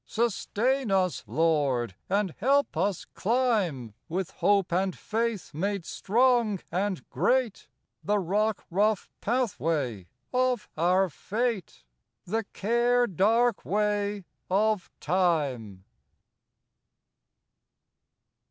Sustain us, Lord! and help us climb, With hope and faith made strong and great, The rock rough pathway of our fate, The care dark way of time.